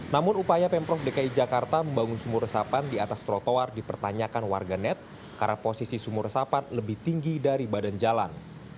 namun upaya pemprov dki jakarta membangun sumur resapan di atas trotoar dipertanyakan warganet karena posisi sumur resapan lebih tinggi dari badan jalan